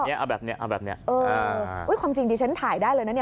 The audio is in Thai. เนี้ยเอาแบบเนี้ยเอาแบบเนี้ยเอออุ้ยความจริงดิฉันถ่ายได้เลยนะเนี่ย